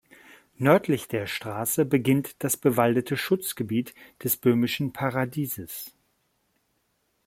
Nördlich der Straße beginnt das bewaldete Schutzgebiet des böhmischen Paradieses.